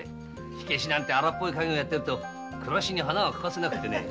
火消しなんて荒っぽい稼業だと暮らしに花が欠かせなくてね。